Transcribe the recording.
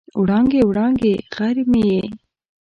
وړانګې، وړانګې غر مې یې